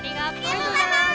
ありがとうございます！